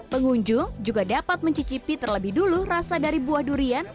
pengunjung juga dapat mencicipi terlebih dulu rasa dari buah durian